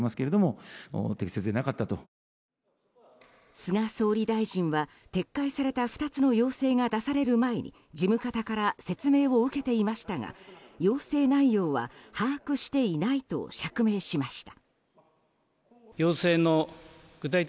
菅総理大臣は、撤回された２つの要請が出される前に事務方から説明を受けていましたが要請内容は把握していないと釈明しました。